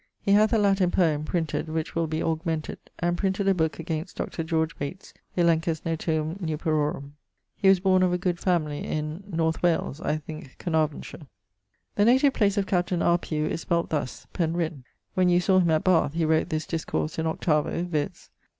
He hath a Latin poem, printed, which will be augmented; and printed a booke against Dr. Bates' Elenchus motuum nuperorum. He was borne of a good family in ... North Wales (I thinke, Caernarvonshire). The native place of captain R. Pugh is spelt thus Penrhyn. When you saw him at Bathe, he wrot this discourse in 8vo, viz.